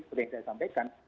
seperti yang saya sampaikan